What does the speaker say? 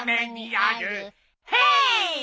ヘイ！